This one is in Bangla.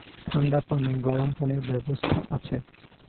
ঠাণ্ডা পানি, গরম পানির ব্যবস্থা আছে।